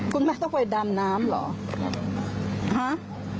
คุณแม่ต้องไปดำน้ำเหรอ